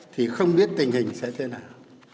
thì không biết tình hình sẽ thế nào